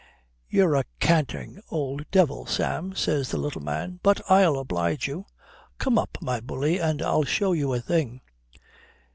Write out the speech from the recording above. "Ye're a canting old devil, Sam," says the little man. "But I'll oblige you. Come up, my bully, and I'll show you a thing."